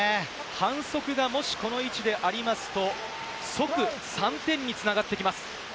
反則がもしこの位置でありますと、即３点に繋がってきます。